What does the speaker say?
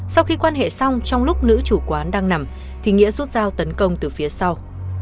sau khi quan hệ xong trong lúc nữ chủ quán đang nằm thì nghĩa rút dao tấn công từ phía sau